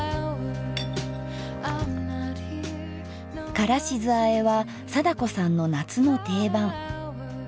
「からし酢あえ」は貞子さんの夏の定番。